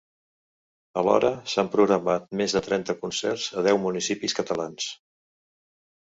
Alhora, s’han programat més de trenta concerts a deu municipis catalans.